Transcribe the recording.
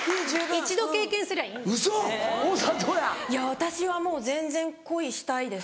私はもう全然恋したいです。